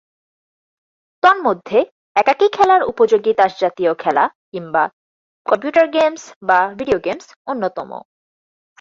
তন্মধ্যে একাকী খেলার উপযোগী তাসজাতীয় খেলা কিংবা কম্পিউটার গেমস বা ভিডিও গেমস অন্যতম।